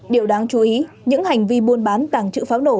điều đáng chú ý những hành vi buôn bán tàng trữ pháo nổ